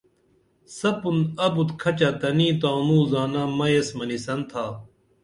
سپُن ابُت کھچہ تنی تانوں زانہ مئیس منِسن تھا